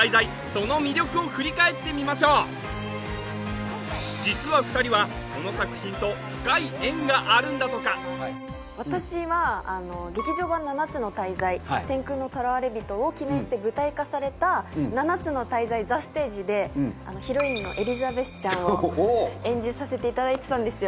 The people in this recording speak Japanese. その魅力を振り返ってみましょう実は２人はこの作品と深い縁があるんだとか私は「劇場版七つの大罪天空の囚われ人」を記念して舞台化された「七つの大罪ＴｈｅＳＴＡＧＥ」でヒロインのエリザベスちゃんを演じさせていただいてたんですよ